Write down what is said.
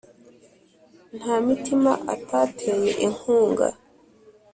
Nta mitima atateye inkunga;